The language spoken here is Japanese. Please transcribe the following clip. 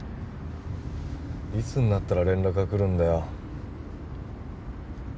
いつになったら連絡が来るんだよ